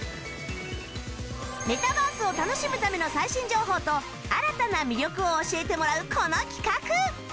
メタバースを楽しむための最新情報と新たな魅力を教えてもらうこの企画！